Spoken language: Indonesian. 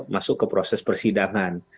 masuk ke proses persidangan